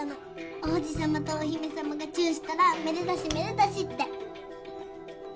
王子様とお姫様がチューしたらめでたしめでたしって。